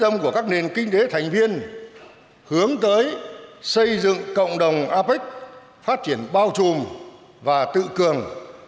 đã thông qua chương trình hành động của các nền kinh tế thành viên hướng tới xây dựng cộng đồng apec phát triển bao trùm và tự cường